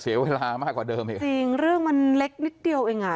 เสียเวลามากกว่าเดิมอีกจริงเรื่องมันเล็กนิดเดียวเองอ่ะ